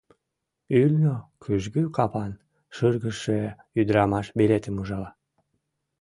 Ӱлнӧ кӱжгӱ капан, шыргыжше ӱдырамаш билетым ужала.